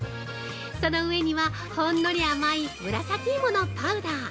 その上には、ほんのり甘い紫芋のパウダー。